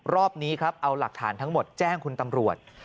รอบนี้ครับเอาหลักฐานทั้งหมดแจ้งคุณตำรวจ